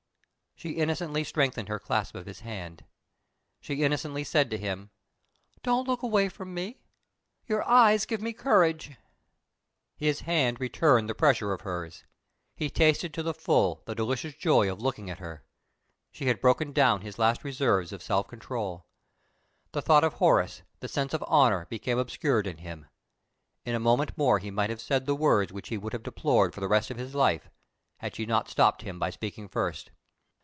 She innocently strengthened her clasp of his hand. She innocently said to him, "Don't look away from me. Your eyes give me courage." His hand returned the pressure of hers. He tasted to the full the delicious joy of looking at her. She had broken down his last reserves of self control. The thought of Horace, the sense of honor, became obscured in him. In a moment more he might have said the words which he would have deplored for the rest of his life, if she had not stopped him by speaking first.